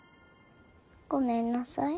ごめんなさい。